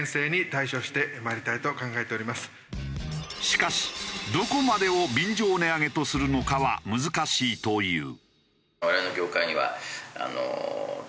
しかしどこまでを便乗値上げとするのかは難しいという。